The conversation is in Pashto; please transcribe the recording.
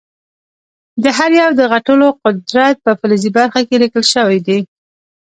د هر یو د غټولو قدرت په فلزي برخه کې لیکل شوی دی.